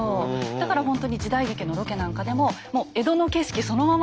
だからほんとに時代劇のロケなんかでももう江戸の景色そのままですから。